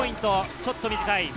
ちょっと短い。